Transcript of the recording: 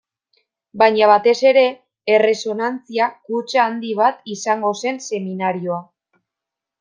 Baina batez ere, erresonantzia kutxa handi bat izango zen seminarioa.